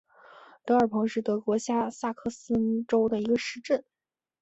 德尔彭是德国下萨克森州的一个市镇。